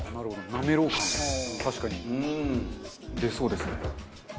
なめろう感が確かに出そうですね。